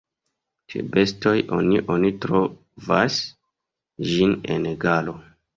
Ĉe bestoj oni oni trovas ĝin en galo.